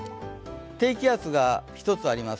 低気圧が一つあります。